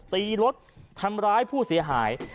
ตีรถทำร้ายผู้เสียหาย